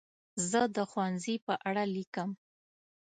زه د ښوونځي په اړه لیکم.